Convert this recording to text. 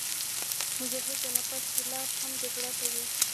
مجاهد د نفس خلاف هم جګړه کوي.